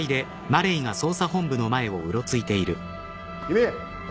君！